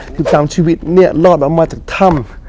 ที่สามชีวิตเนี่ยรอดมาจากถ้ำ